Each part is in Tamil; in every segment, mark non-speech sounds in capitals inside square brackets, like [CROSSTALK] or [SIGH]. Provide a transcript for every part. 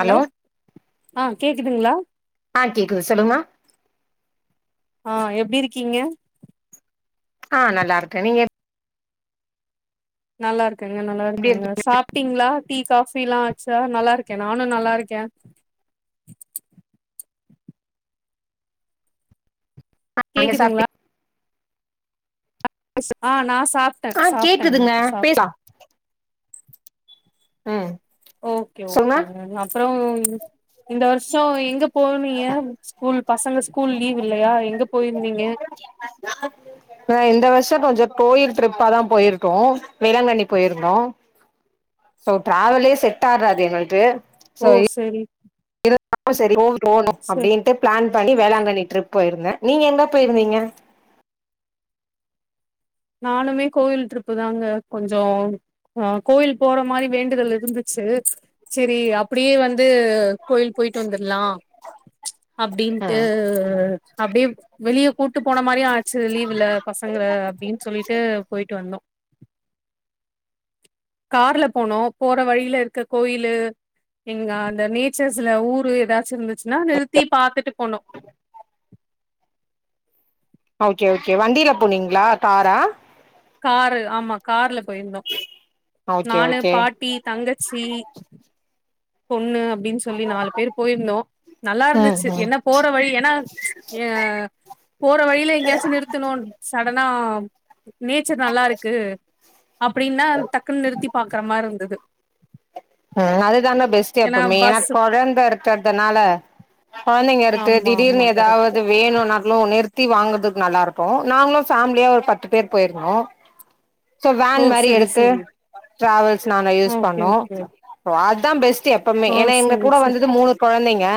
ஹலோ ஆஹ் கேக்குதுங்களா ஆஹ் கேக்குது சொல்லுங்க ஆஹ் எப்டி இருக்கீங்க ஆஹ் நல்லா இருக்கேன் நீங்க எப் நல்லா இருக் ங்க நல்லா எப்டி இருக்குங்க இருக்கீங்க சாப்பிட்டிங்களா டீ காபிலாம் ஆச்சா நல்லா இருக் க்கே நானும் நல்லா இருக்கே நீங்க சாப்டி கேக்குதுங்களா ஆ நான ச சாப்ட்டேன் ஆ சாப்ட்டேன் நா கேக்குதுங்க பேசலா சாப்ட்டேன் ஹம் ஓகே ஓகே அப்றம் இந்த வருஷம் எங்க போனீங்க ஸ்கூல் பசங்க ஸ்கூல் லீவ் இல்லயா எங்க போயிருந்தீங்க ஆ இந்த வருஷோ கொஞ்சோ கோயில் ட்ரிப்பாதான் போயிருக்கோம் வேளாங்கண்ணி போயிருந்தோம் சோ டிராவலே செட் ஆகாது எங்களது ஓ செரி இருாலும் சேரி ஓவ ஓணும் செரி அப்டின்ட்டு பிளான் ப பண்ணி வேளாங்கண்ணி ட்ரிப் போயிருந்தேன் நீங்க எங்க போயிருந்தீங்க நானுமே கோயில் ட்ரிப்பு தாங்க கொஞ்சம் அ கோயில் போற மாரி வேண்டுதல் இருந்துச்சு சரி அப்டியே வந்து கோயில் போயிட்டு வந்துரலாம் அப்டின்ட்டு ம் அப்டியே வெளிய கூட்டு போன மாரிய ஆச்சு லீவு்ல பசங்கள அப்டின் ட்டு போயிட்டு வந்தோம் கார்ல போனோம் போற வழியில இருக்க கோயிலு எங்க அந்த நேச்சர்ஸ்ல ஊரு எதாச்சும் இருந்துச்ச நிறுத்தி பாத்துட்டு போணோம் ஓகே ஓகே வண்டியில போனீங்களா காரா காரு ஆமா கார்ல போயிருந்தோம் ஓகே நானு ஓகே பாட்டி தங்கச்சி பொண்ணு அப்ப அப்டின்னு சொல்லி நாலு பேர் போயிருந்தோம் நல்லா ம் இருந்துச்சு ம் என்ன போற வழி ஏன்னா போற வழியில எங்கேயாச்சும் நிறுத்தணும் சடனா [UNINTELLIGIBLE] நேச்சர் நல்லா இருக்கு அப்டின்னா டக்குன்னு நிறுத்தி பாக்குற மாரி [INAUDIBLE] ம் அதுதானா பெஸ்டா ஏன்னா இப்போ மெனா பஸ் குழந்த இருக்கதுனால ங்க இருக்கு ஆமா ஆமா திடீர்னு கரெக்ட் எதாவது வெனுநாலும் நிறுத்த சுத்தி வாங்கறதுக்கு நல்லா இருக்கும் நாங்களும் ஃபேமிலியா ஒரு பத்து பேர் போயிருந்தோம் சோ ஓ வேன் மாரி சரி எடுத்து சரி டிரவல்ஸ் நாங்க யூஸ் ஓகே பண்ணோம் ஓகே [INAUDIBLE] தான் பெஸ்ட் எபமே ஓ ஏன்னா எங்க சரி கூட சரி வந்தது மூணு கொழந்தைங்க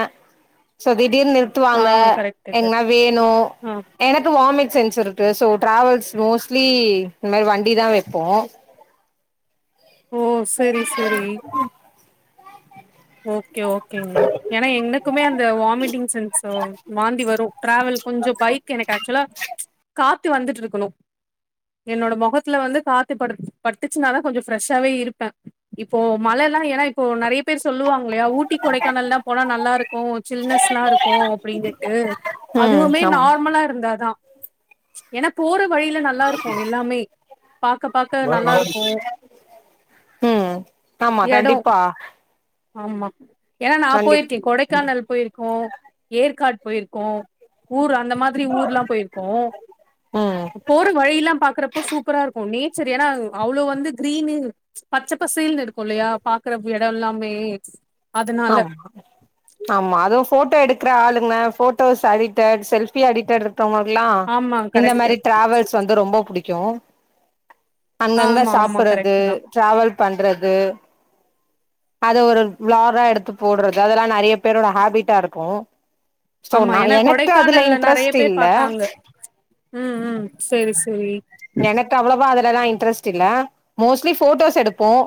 ச திடீர்னு ஆ நிறுத்துவாங்க கரெக்ட் கரெக்ட் எங்கனா வேணும் ஆ எனக்கு வாமிட் செரி செரி சோ டிராவல்ஸ் மோஸ்ட்லி இந்த மாரி வண்டி தான் வைப்போம் ஓ செரி செரி ஓகே ஓகே ஏனா ஏன்னா எனக்குமே அந்த வாமிட்டிங் சென்ஸ் வாந்தி வரும் டிரவல் கொஞ்சம் பைக் எனக்கு ஆக்சுவலா காத்து வந்துட்டு இருக்கணும் என்னோட முகத்துல வந்து காத்து பட்டுச்சுனாதான் கொஞ்சம் ஃப்ரெஷ்ஷாவே இருப்பேன் இப்போ மழ எல்லாம் ஏன்னா இப்போ நெறைய பேர் சொல்லுவாங் யிலையா ஊட்டி கொடைக்கானல் எல்லாம் போனா நல்லா இருக்கும் சில்னஸ் எல்லாம் இருக்கும் அப்டின்னுட்டு ம் அதுவுமே நார்மலா இருந்தாதான் ஏன்னா போற வழியில நல்லா இருக்கும் எல்லாமே பாக்க பாக்க நல்லா ஆமா இருக்கும் ம் ஆமா இடம் கண்டிப்பா ஆமா ஏன்னா நான கண்டிப் போயிருக்கேன் கொடைக்கானல் போயிருக்கோம் ஏற்காடு போயிருக்கோம் ஊரா அந்த மாரி ஊர்ல்லாம் போயிருக்கோம் ம் போற வழி எல்லாம் பாக்குறப்போ சூப்பரா இருக்கும் நீ சரி ஆனா அவ்வளோ வந்து கிரீன் பச்ச பசல்னு இருக்கும் இல்லயா பா்கற இடம்மெல்லாம் மே ஆமா ஆமா அதுவும் ஃபோட்டோ எடுக்கிற ஆளுங்க ஃபோட்டோஸ் அடிட்டர் செல்ஃபி அடிட்டர் அவுங்களுக்குல்லாம் ஆமா இந்த கரெக்ட் மாரி டிராவல்ஸ் வந்து ரொம்ப புடிக்கும் [UNINTELLIGIBLE] அங்கங்க ஆமா ஆமா சாப்பறது கரெக்ட் தா டிராவல் பண்றது அது ஒரு விளா ட்டா எடுத்து போடுறது அதெல்லாம் நெறைய பேரோட ஹோபிட்டா இருக்கும் ஆமா ஏன்னா கொடைக்கானல் நெறைய பேர் இல்ல பாத்தாங்க ம் உம் செரி செரி லாம் இன்ட்ரெஸ்ட் இல்ல மோஸ்ட்லி போட்டோஸ் எடுப்போம்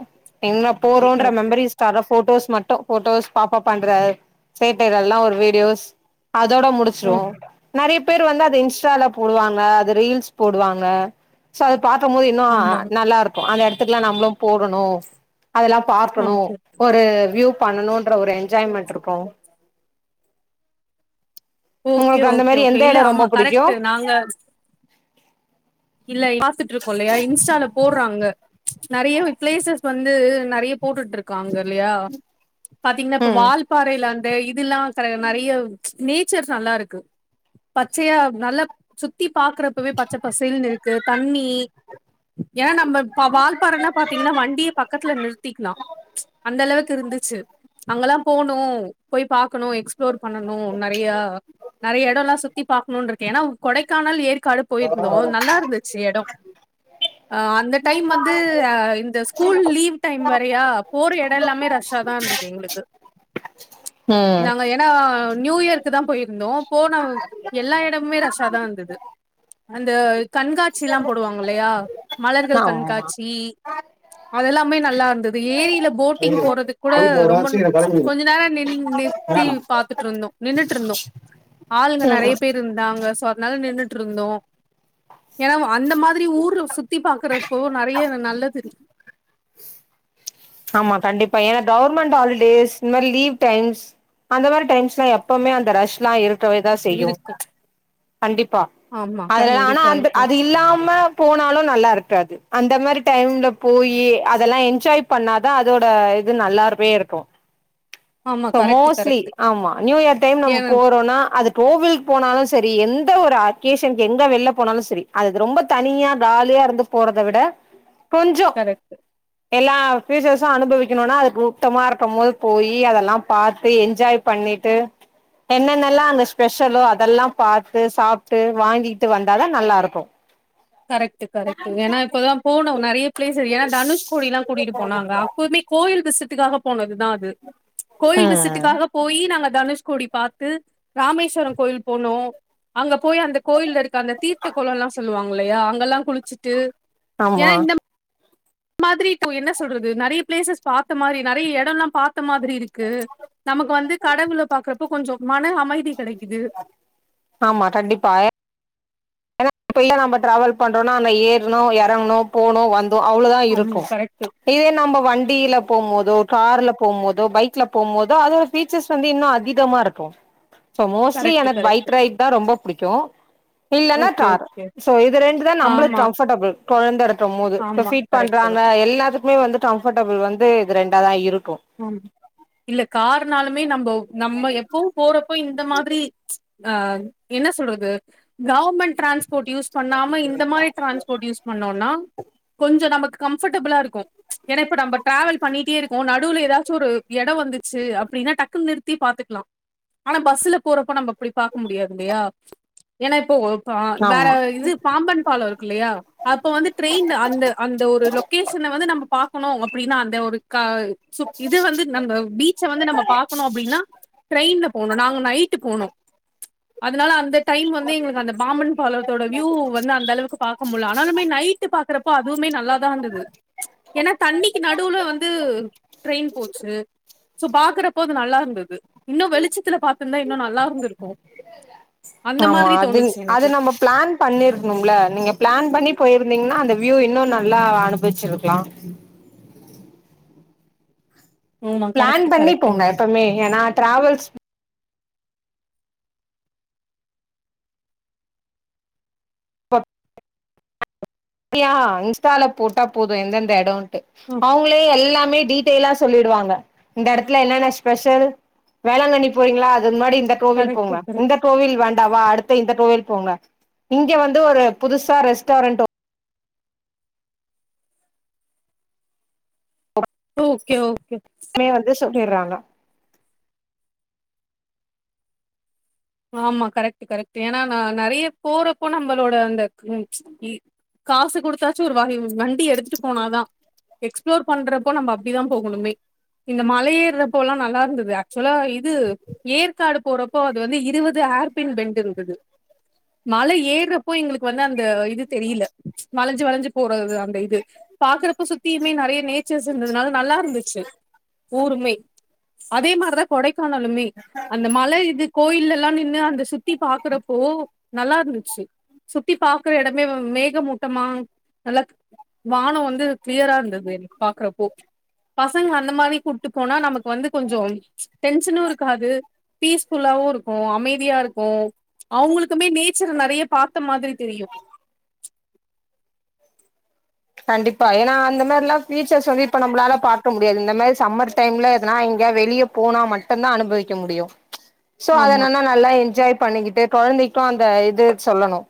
எங்கனா ஓகே போறோம்ன்ற ஓகே மெமரீஸ் போட்டோஸ் மட்டு போட்டோஸ் பாப்ப பண்ற சேட்டைகள் எல்லாம் ஒரு வீடியோஸ் அதோட ஓ முடிச்சுருவோம் நெறைய பேர் வந்து அத இன்ஸ்டால போடுவாங்க அது ரீல்ஸ் போடுவாங்க சோ அத பாக்கும் போது இன்னும் ஆமா நல்லா இருக்கும் அந்த இடத்து கெலாம் நம்மளும் போகணும் அதெல்லாம் பாரக்கணும் ஓகே ஒரு வியூ பன்னனொன்ற ஒரு என் ஜாய்மெண்ட் இருக்கும் ஓகே உங்களுக்கு அந்த ஓகே மாரி எந்த ஓகே இல்ல எடோ ரொம்ப ஆமா புடிக்கு கரெக்ட்டு நாங்க இல்ல பாத்துட்டு இருக்கோம் இல்லயா இன்ஸ்டாலல போடுறாங்க நெறைய பிளேசஸ் வந்து நேறைய போட்டுட்டு இருக்காங்க இல்லயா பாத்தீங்கன்னா இப்ப ம் வால்பாறையல வந் இல்லாம் நிற நேச்சர் நல்லா இருக்கு பச்சயா நல்ல சுத்தி பாக்குறப்பவே பச்ச பசேல்நு இரு க்கு தண்ணி ஏன்னா நம்ம வாழபாறனா பாத்த்த்தீங்கன்னா வண்டியே பக்கத்துல நிறுத்திக்கலாம் அந்த அளவுக்கு இருந்துச்சு அங்கல்லாம் போணும் போய் பாக்கணும் எக்ஸ்பளோர் பண்ணணும் நெறைய நெறைய இடம் எல்லாம் சுத்தி பார்கணும் கொடைக்கானல் இயற்கை காடு போயிருந்தோம் நல்லா இரு எடம் அ அந்த டைம் வந்து அ இந்த ஸ்கூல் லீவ் டைம் வரையா போற இடம் எல்லாமே ரஷ்ஆ தான் இருந்தது எங்களுக்கு ம் நாங்க ஏன்னா நியூ இயர்க்கு தான் போயிருந்தோம் போன எல்லா இடமுமே ரஸாதான் வந்தது அந்த கண்காட்சி லாம் போடுவாங்கலயா மலர்கள் ஆமா கண்காட்சி அதெல்லாமே நல்லா இருந்தது ஏரியில போட்டிங் சேரி போறது கூட போயிட்டு வரே ரொம்ப சீக்கிரோ கெளம்பிரு கொஞ்ச நேரம் ந ஆ நிறுத்தி ம் பாத்துட்டு இருந்தோம் நின்ட்டு இருந்தோம் ஆளுங்க நெறைய பேர் இருந்தாங்க ச அதனால நின்னுறுட்டு இருந்தோம் ஏன்னா அந்த மாரி ஊர் சுத்தி பாக்குறப்ப நெறைய நல்ல தெரியக்கு ஆமா கண்டிப்பா ஏன்ன கவர்மெண்ட் ஹாலிடேஸ் இந்த மாரி லீவ் டைம்ஸ் அந்த மாரி டைம்ஸ் லாம் எப்மே அந்த ரஷ் எாம் இருக்கு தான் செய்யும் இருக்கும். கண்டிப்பா ஆமா அதுலாம் ஆனா கண்டிப்பா அன் இருக்கும். அது இல்லாம போனாலும் நல்லா இருக்காது அந்த மாரி டைம்ல போயி அதெல்லாம் என்ஜாய் பண்ணாதான் அதோட இது நல்லாருமே இருக்கும் ஆமா இ கரெக்ட், மோஸ்ட்லி கரெக்ட். ஆமா நியூ இயர் டைம் நம்ம ஏன்னா போறோம்னா அது கோவிலுக்கு போனாலும் செரி எந்த ஒரு அகேஷனு எங்க வெளில போனாலும் செரி அதுது ரொம்ப தனியா காலியா இருந்து போறத விட கரெக்ட் எல்லாம் பஃபியூச்சர்ஸ்ம் அனுபவிக்கணும்னா அதுக்கு கூட்டமா இருக்கும் போது போயி அதல்லாம் பாத்து என்ஜாய் பண்ணிட்டு என்னென்னல்லாம் அங்க ஸ்பெஷலோ அதல்லாம் பாத்து சாப்ட்டு வாங்கிட்டு வந்தாதான் நல்லா இருக்கும் கரெக்ட் கரெக்ட் ஏன்னா இப்தான் போணும் நெறைய பிளேஸ் இருக்கு ஏன்னா தனுஷ் கோடிலாம் கூட்டிட்டு போனாங்க அப்வுமே கோயில் சட்டுக்காக போனது தான் அது கோயில் ம் விசத்துக்காக போய் நாங்க தனுஷ் கூடி பாத்து ராமேஸ்வரம் கோயில் போனோம் அங்க போய் அந்த கோயில இருக்க அந்த தீர்த்த குளம் எல்லாம் சொல்லுவான் யா அங்கலாம் குளிச்சிட்டு ஆமா மாதிரி இப்ப என்ன சொல்றது நெறைய பிளேசஸ் பார்த்த மாதிரி நெறைய இடம் எல்லாம் பார்த்த மாதிரி இருக்கு நமக்கு வந்து கடவுளை பாக்குறப்போ கொஞ்சம் மன அமைதி கெடைக்கு ஆமா கண்டிப்பா இப்ப நம்ம டிராவல் பண்றோம்னா ஆன ஏறணும் இறங்கனும் போகணும் வந் அவ்வளவுதான் ஆமா இருக்கும் கரெக்ட், இதே நம்ம வண்டியில போகும்போது கார்ல போகும் போபேத பைக்ல போகும் போதோ அதோட பீச்சர்ஸ் வந்து இன்னும் அதிகமா இருக்கும் சோ மோஸ்சுலி கரெக்ட், எனக்கு கரெக்ட். பைக் ரைட் தான் ரொம்ப பிடிக்கும் இல்லன்னா ஓகே கார் ஓகே. சோ இது ரெண்டு தான் நம்மளுக்கு ஆமா, கம்ஃபர்டபுள் கொழந்து இருக்கும் போது இப்ப ஆமா. பீட் கரெக்ட்டு பண்றாங்க தான். எல்லாத்துக்குமே வந்து கம்ஃபர்டபிள் வந்து ரெண்டாதன் இருக் ம் இல்ல கார்ணாலுமே நம்ப நம்ம எப்பவும் போறப்போ இந்த மாதிரி ஆஹ் என்ன சொல்றது கவர்மெண்ட் டிரான்ஸ்போர்ட் யூஸ் பண்ணாம இந்த மாதிரி டிரான்ஸ்போர்ட் யூஸ் பண்ணோனா கொஞ்சம் நமக்கு கம்ஃர்டபிள்ளா இருக்கும் ஏனா இப்ப நம்ம டிரவல் பண்ணிட்டே இருக்கும் நடுவுல நடுல ஏதாச்சும் ஒரு இடம் வந்துச்சு அப்படின்னா டக்கு நிறுத்தி பாத்துக்கலாம் ஆனா பஸ்ல போறப்ப நம்ம அப்படி பார்க்க முடியாது இல்லையா ஏன்னா இப்போ வேற ஆமா இது பாம்பன் பாலம் இருக்கு இல்லையா அப்ப வந்து ட்ரெயின்ல அந்த அந்த ஒரு லொக்கேஷன் வந்து நம்மப பா க்கணும் அப்படின்னா அந்த ஒரு க இது வந்து நம்ம பீச்ச வந்து நம்ம பாக்கணும் அப்படின்னா ட்ரெயின்ல போனோம் நாங்க நைட்டு போனோம் அதன்னால அந்த டைம் வந்து எங்களுக்கு அந்த பாம்பன் பாலத்தோட வியூ வந்து அந்த அளவுக்கு பாக்க முடியல ஆனாலுமே நைட் பாக்குறப்போ அதுவுமே நல்லாதான் இருந்தது ஏன்னா தண்ணிக்கு நடுவுல வந்து போச்சு சோ பாக்குறப்போ அது நல்லா இருந்தது இன்னு வெளிச்சத்துல பாத்துருந்தா இன்னு நல்லா இருந்திருக்கு அந்த ஆமா மாதிரி அது தோணுச்சு அது எனக்கு நம்ம பிளான் பண்ணிருந்தோம்ல நீங்க பிளான் பண்ணி போயிருந்தீங்கன்னா அந்த கியூ இன்னும் நல்லா அனுபிச்சிருக்கலாம் ஆமா பிளான் கரெக்ட் பண்ணி போங்க கரெக்ட்டுங்க எப்பவுமே ஏன்னா டிராவல்ஸ் [UNINTELLIGIBLE] யா இன்ஸ்டால போட்டா போதும் எந்தெந்த இடம் ஆ அவங்களே எல்லாமே டீட்டைல்லா சொல்லிடு வாங்க இந்த இடத்துல என்னென்ன ஸ்பெஷல் வேளாங்கண்ணி போறீங்களா அதுக்கு முன்னாடி டோவில் கரெக்ட்டு போங்க இந்த கரெக்ட்டு டோவில் வேண்டாவா அடுத்த இந் டோவில் போங்க இங்க வந்து ஒரு புதுசா ரெஸ்டாரன்ட் ஓகே ஓகே கை வந்து சுத்திறாங்க ஆமா கரெக்ட் கரெக்ட் ஏன்னா ந நிறைய போறப்போ நம்மளோட அந்த காசு குடுத்தாச்சும் ஒரு வண்டி எடுத்துட்டு போனாதான் எக்ஸ்ப்போட்டு பண்றப்போ நம்ம அப்படிதான் போகணுமே இந்த மலையேறப்போ எல்லாம் நல்லா இருந்தது ஆக்சு சொலா இது ஏற்க் வெளிநாடு போறப்போ அது வந்து இது வது ஆர்பின் பெண்ட் இருந்தது மல ஏறப்போ எங்களுக்கு வந்து அது தெரியல வளைஞ்சு வளைஞ்சு போற அந்த இது பாக்குறப்போ சுத்தியுமே நெறைய நேச்சர்ஸ் இருந்ததுனால நல்லா இருந்துச்சு ஊருமே அதே மாதிரிதான் கொடைக்கானலுமே அந்த மல இது கோயிலு எல்லாம் நின்னு அந்த சுத்தி பாக்கறப்போ நல்லா இருந்துச்சு சுத்தி பாக்கற இடமே மேகமூட்டமா நல்லா வானம் வந்து கிளியரா இருந்தது எனக்கு பாக்குறப்போ பசங்க அந்த மாதிரி கூப்பிட்டு போனா நமக்கு வந்து கொஞ்சம் டென்ஷனும் இருக்காது பீஸ்ஃபுல்லாவும் இரு அமைதியா இருக்கும் அவங்களுக்குமே நேச்சர் நிறைய பாத்த மாதிரி தெரியும் கண்டிப்பா ஏன்னா அந்த மாரிலா எல்லாம் பீச்சர்ஸ் வந்து நம்மளால பார்க்க முடியாது இந்த மாரி சம்மர் டைம்ல எதுனா எங்கய வெளியே போனா மட்டும்தான் அனுபவிக்க முடியும் சோ ஆமா, அதனன்னா நல்லா என்ஜாய்ப் பண்ணிக்கிட்டு கொழந்தைக்கும் அந்த இது சொல்லணும்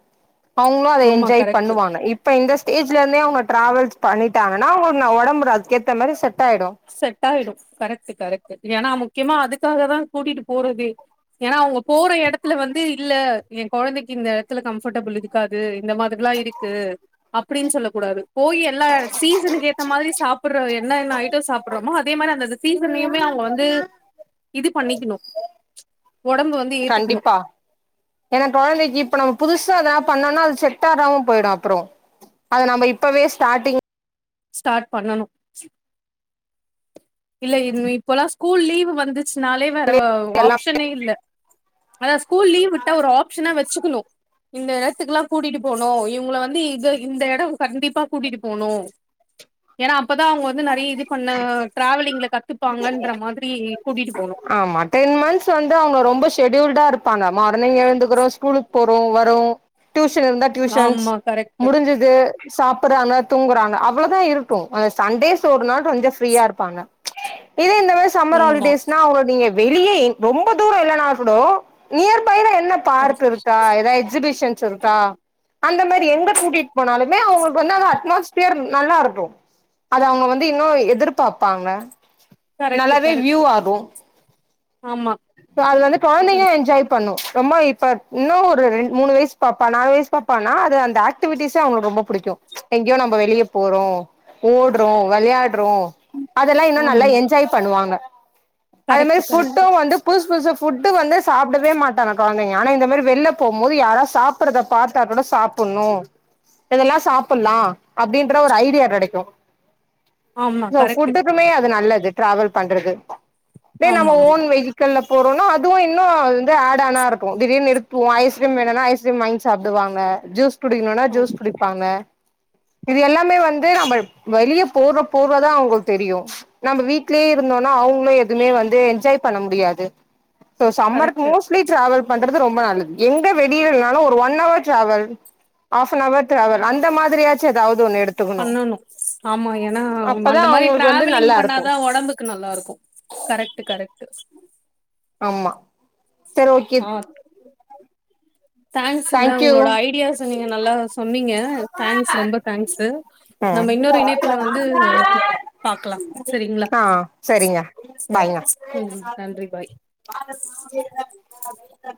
அவங்களும் அதை ஆமா என்ஜாய் கரெக்ட். பண்ணுவாங்க இப்ப இந்த ஏஜ்லர்ந்தே [INAUDIBLE] ட்ராாவல்ஸ் பண்ணிட்டாங்கன்னாங்க அவங்களுக்கு நா உடம்புற அதுக்கேத்த மாதிரி செட் ஆயிடு செட் ஆயிடும் கரெக்ட் கரெக்ட் ஏன்னா முக்கியமா அதுக்காக தான் கூட்டிட்டு போறதே ஏன்னா அவங்க போற இடத்துல வந்து இல்ல என் கொழந்தைக்கு இந்த இடத்துல கம்ஃபர்டபிள் இருக்காது இந்த மாதிரில்லாம் இருக்கு அப்படின்னு சொல்ல கூடாது போய் எல்லாம் சீசனுக்கு ஏத்த மாரி சாப்படுற என்னன்ன சாப்பிடுறோமோ அதே மாதிரி அந்தந்த சீசன்லயுமே அவங்க வந்து இது பண்ணிக்கணு ஒடம்பு வந்து ஏத்துக்கணு கண்டிப்பா ஏன்னா கொழந்தைக்கு இப்ப நம்ம புதுசா தான் பண்ணோம்னா அது செட்ட ஆகாம போயிடும் அப்பறம் அது நம்ம இப்வே ஸ்டாட்டிங் ஸ்டார்ட் பண்ணனும் இல்ல இப்பல்லாம் ஸ்கூல் லீவ் வந்துச்சுனாலே வ எல்லா ஆப்ஷனே இல்ல அதான் ஸ்கூல் லீவ் விட்டா ஒரு ஆப்ஷனா வச்சுக்கிணும் இந்த இடத்துக்குல்லாம் கூட்டிட்டு போனும் இவங்கள வந்து வந்து இது இந்த இடம் கண்டிப்பா அப்பா கூட்டிட்டு போனோம் ஏன்னா அப்பதான் அவங்க வந்து நெறைய இது பண்ண டிரவலிங்ல கத்துப்பாங்கன்ற மாரி கூட்டிட்டு போனும் ஆமா டென் மந்த்ஸ் வந்து அவங்க ரொம்ப ஷெடியூல்டா இருப்பாங்க மார்னிங் எழுந்துக்குறோம் ஸ்கூலுக்கு போறோ வரோம் டியூஷன் இருந்தா டியூஷன்ஸ் ஆமா கரெக்ட்டு முடிஞ்சது சாப்புறாங்க தூங்கறாங்க அவ்வளவுதான் இருக்கும் அது சண்டேஸ் [UNINTELLIGIBLE] கொஞ்சம் ஃப்ரீயா இருப்பாங்க இதே இந்த மாதிரி ஆமா சம்மர்ஹாலிடேஸ்னா அவங்க நீங்க வெளியே ரொம்ப தூரம் இல்லன்னா கூட நியர் பைல எந்த என்ன பார்க் கரெக்ட் இருக்கா ஏதாவது எக்ஸிபிஷன்ஸ் இருக்கா அந்த மாரி எங்க கூட்டிகிட்டு போனாலுமே அவங்களுக்கு வந்து அந்த அட்மாஸ்பியர் நல்லா இருக்கும் அது அவங்க வந்து இன்னும் எதிர்பாப்பாங்க கரெக்ட்டு நல்லாவே வியூ கரெக்ட்டு ஆகும் ஆமா இப்போ அது வந்து குழந்தைங்க கரெக்ட் என்ஜாய் பண்ணும் ரொம்ப இப்ப இன்னும் ஒரு ரெண்டு மூணு வயசு பாப்பான நாலு வயசு பாப்பான அது அந்த ஆக்டிவிட்டிஸே அவங்களுக்கு ரொம்ப பிடிக்கும் எங்கேயோ நம்ம வெளியே போறோம் ஓடுறோம் விளையாட [INAUDIBLE] அததெல்லாம் இன்னும் ஆமா நல்லா என்ஜாய் பண்ணுவாங்க அது கரெக்ட்டு மாதிரி கரெக்ட்டு ஃபுட்டும் வந்து ‌ஃபுட்டு் வந்து சாப்பிடவே மா குழந்தைங்க ஆனா இந்த மேரி வெளியில போம்போது யாரவது சாப்ரதா பாத்தா கூட சாப்பிடும் இதெல்லாம் சாப்பிடலாம் அப்படினு ஒரு ஐடியா கிடைக்கும் ஆமா இந்த கரெக்ட்டு ஃபுட்டுக்குமே அது நல்லது ட்ராவல்ஸ் பண்றது இதே நம்ம ஆமா ஓன் ஆமா வெகிகி போறோம்னா அதுவும் இன்னும் ஆட ஆனா இருக்கும் திடீர்னு நிறுத்துவம் ஐஸ்்கிரீம் எடுத்து எதுனா ஐஸ்கிரீம் வாங்கி சாப்டுவாங்க ஜூஸ் புடிக்கலனா ஜூஸ் ஆமா குடிப்பாங்க இது எல்லாமே வந்து நம்ம வெளியே போக போகதான் அவங்களுக்கு தெரியும் நம்ம வீட்லயே இருந்தோம்னா அவங்களும் எதுவுமே வந்து என்ஜாய் பண்ண முடியாது அ so summer correct mostly travel பண் அடுத்து ரொம்ப நல்லது எங்க வெளில்னாலும் ஒரு one hour travel of never travel அந்த மாரியாச்சு ஏதாவது ஒன்னு பண்ணணும் ஆமா ஏன்னா அப்பதா அந்த மாரி அவங்களுக்கு வந்து டிராவலிங் நல்லா இருக்கு பண்ணாதான் உடம்புக்கு நல்லா இருக்கும் கரெக்ட் கரெக்ட் ஆமா சரி ஓகே ஆ தேங்க்ஸுங்க தேங்க்யூ உங்களோட ஐடியாஸ் நீங்க நல்லா சொன்னீங்க தேங்க்ஸ் ரொம்ப தேங்க்ஸு ம் நம்ம இன்னொரு இணைப்புல வந்து பாக்கலாம் சரிங்களா ஆ சரிங்க ஆஹ பாய்ங்க ம் நன்றி பாய் ச